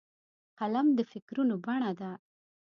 قلم د فکرونو بڼه ده